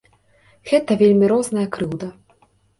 Гэта вельмі розная крыўда.